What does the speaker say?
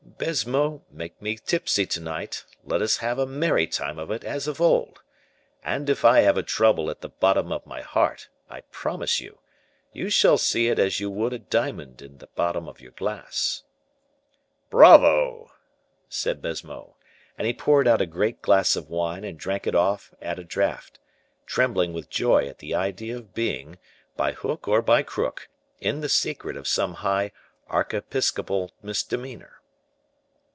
"Baisemeaux, make me tipsy to night; let us have a merry time of it as of old, and if I have a trouble at the bottom of my heart, I promise you, you shall see it as you would a diamond at the bottom of your glass." "Bravo!" said Baisemeaux, and he poured out a great glass of wine and drank it off at a draught, trembling with joy at the idea of being, by hook or by crook, in the secret of some high archiepiscopal misdemeanor.